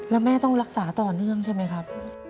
แล้วแม่ต้องรักษาต่อเนื่องใช่ไหมครับ